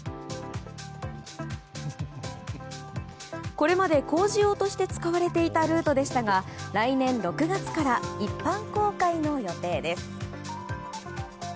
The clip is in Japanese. これまで、工事用として使われていたルートでしたが来年６月から一般公開の予定です。